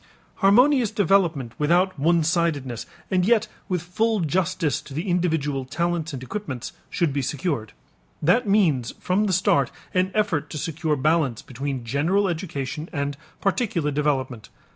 Harmonious development without one sidedness, and yet with full justice to the individual talents and equipments, should be secured. That means from the start an effort to secure balance between general education and particular development.